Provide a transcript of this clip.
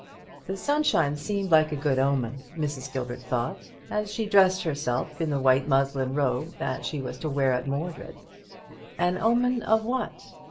The sunshine seemed like a good omen, Mrs. Gilbert thought, as she dressed herself in the white muslin robe that she was to wear at Mordred. An omen of what?